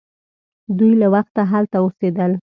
دوی له وخته هلته اوسیدل.